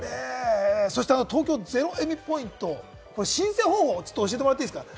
東京ゼロエミポイントの申請方法を教えてもらっていいですか？